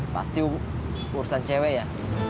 pasti urusan cewek ya